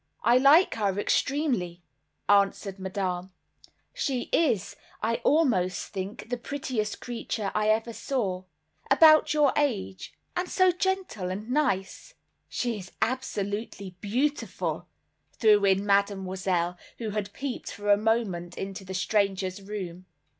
"I like her extremely," answered Madame, "she is, I almost think, the prettiest creature I ever saw; about your age, and so gentle and nice." "She is absolutely beautiful," threw in Mademoiselle, who had peeped for a moment into the stranger's room.